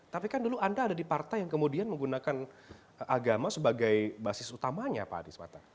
tapi kan dulu anda ada di partai yang kemudian menggunakan agama sebagai basis utamanya pak adis mata